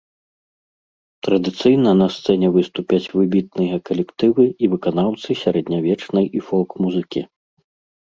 Традыцыйна на сцэне выступяць выбітныя калектывы і выканаўцы сярэднявечнай і фолк-музыкі.